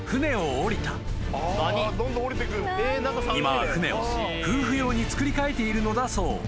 ［今は船を夫婦用に造り変えているのだそう］